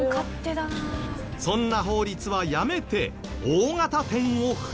そんな法律はやめて大型店を増やせ！